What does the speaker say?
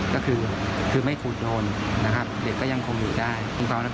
ซ้าบขเผ่าเราต้องลงไปเยี่ยมเด็กเพื่อได้รับผล